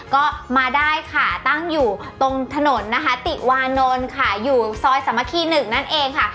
ก็มาได้ค่ะตั้งอยู่ตรงถนนนะคะติวานนท์ค่ะอยู่ซอยสามัคคี๑นั่นเองค่ะ